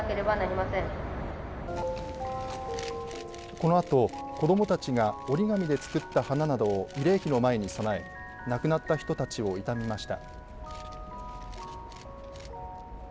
このあと、子どもたちが折り紙で作った花などを慰霊碑の前に供え亡くなった人たちを悼みました。